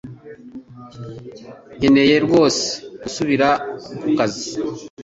Nkeneye rwose gusubira ku kazi